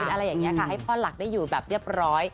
อะไรอย่างนี้ค่ะให้พ่อหลักได้อยู่แบบเรียบร้อย